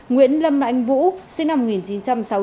nguyễn lâm anh vũ sinh năm một nghìn chín trăm sáu mươi chín tại tp hcm